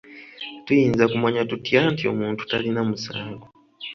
Tuyinza kumanya tutya nti omuntu talina musango?